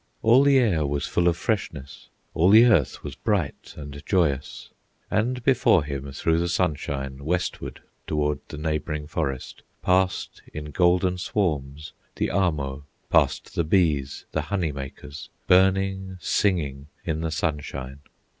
All the air was full of freshness, All the earth was bright and joyous, And before him, through the sunshine, Westward toward the neighboring forest Passed in golden swarms the Ahmo, Passed the bees, the honey makers, Burning, singing in the sunshine.